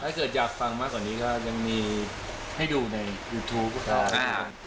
ถ้าเกิดอยากฟังมากกว่านี้ก็ยังมีให้ดูในยูทูปครับ